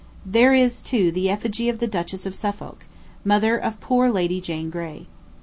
There is, too, the effigy of the Duchess of Suffolk, mother of poor Lady Jane Grey.